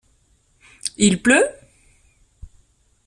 Il pleut ?